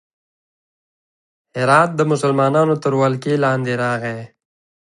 هرات د مسلمانانو تر ولکې لاندې راغی.